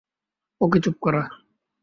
ওকে চুপ করা।